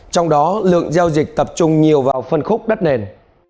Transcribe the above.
trong đó lượng giao dịch tập trung nhiều vào phân khúc đất nền